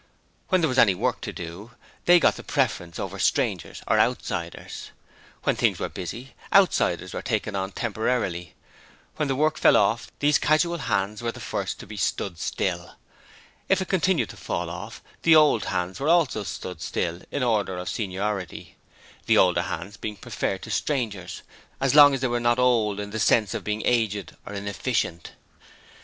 When there was any work to do, they got the preference over strangers or outsiders. When things were busy, outsiders were taken on temporarily. When the work fell off, these casual hands were the first to be 'stood still'. If it continued to fall off, the old hands were also stood still in order of seniority, the older hands being preferred to strangers so long, of course, as they were not old in the sense of being aged or inefficient.